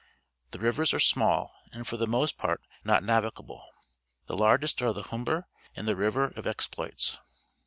The rivers are small and for the most part not navigable ; the largest are the Humber and the River of Explgiis.